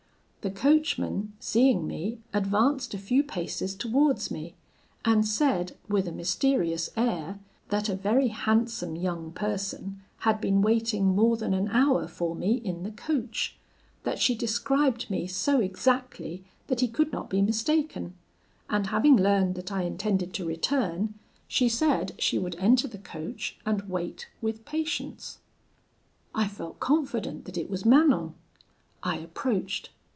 The coachman, seeing me, advanced a few paces towards me, and said, with a mysterious air, that a very handsome young person had been waiting more than an hour for me in the coach; that she described me so exactly that he could not be mistaken, and having learned that I intended to return, she said she would enter the coach and wait with patience. "I felt confident that it was Manon. I approached.